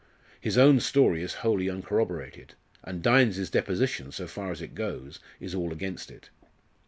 His own story is wholly uncorroborated; and Dynes's deposition, so far as it goes, is all against it."